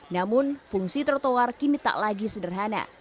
namun fungsi trotoar kini tak lagi sederhana